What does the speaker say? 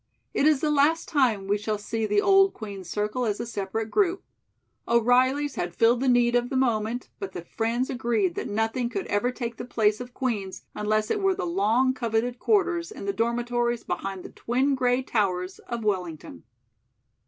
It is the last time we shall see the old Queen's circle as a separate group. O'Reilly's had filled the need of the moment, but the friends agreed that nothing could ever take the place of Queen's unless it were the long coveted quarters in the dormitories behind the twin gray towers of Wellington.